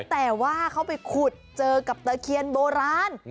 แต่ว่าเขาไปขุดเจอกับตะเคียนโบราณ